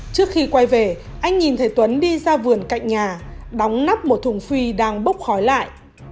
trước khi quay về anh nhìn thấy tuấn đi ra vườn cạnh nhà đóng nắp một thùng phi đang bốc khói lại